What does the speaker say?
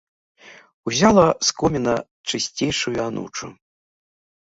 Узяла з коміна чысцейшую анучу.